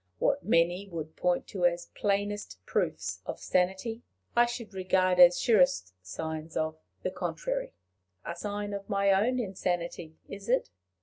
What many would point to as plainest proofs of sanity, I should regard as surest signs of the contrary. A sign of my own insanity is it?